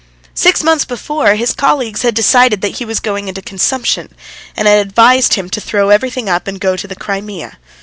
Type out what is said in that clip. Six months before, his colleagues had decided that he was going into consumption, and advised him to throw up everything and go to the Crimea.